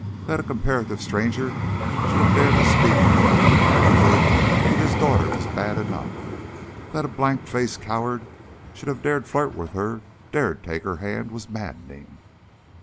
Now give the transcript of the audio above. That a comparative stranger should have dared to speak familiarly with his daughter was bad enough; that a blank faced coward should have dared flirt with her, dared take her hand, was maddening.